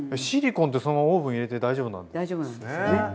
シリコンってそのままオーブン入れて大丈夫なんですね？